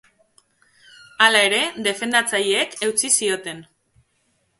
Hala ere, defendatzaileek eutsi zioten.